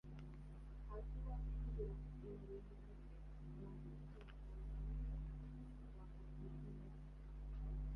Hatua hiyo ilimlazimu rais wa Tanzanzia wakati huo